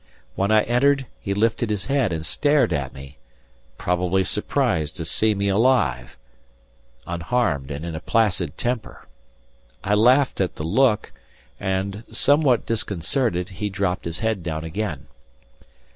When I entered he lifted his head and stared at me, probably surprised to see me alive, unharmed, and in a placid temper. I laughed at the look, and, somewhat disconcerted, he dropped his head down again.